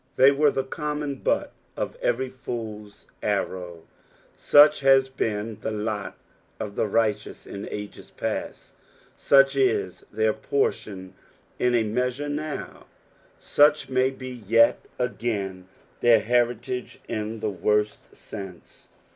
They were the common butts of every fool's arrow. Such has been the lot uf the righteoaa in ages past, such is their portion in a measure now, such may be yet again PSALU THE FORTT FOUKTH. 339 thartMnb^^ in the worst Benae.